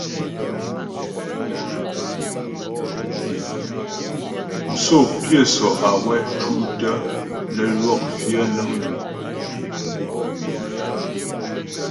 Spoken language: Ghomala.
Msǒ pyə́ sɔ’ awɛ ́ cú’ tə́ nə ywɔk fyə̌ nəŋ wii.